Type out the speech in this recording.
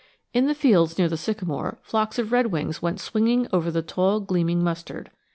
In the fields near the sycamore flocks of redwings went swinging over the tall gleaming mustard.